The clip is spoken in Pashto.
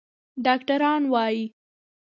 ډاکتران وايي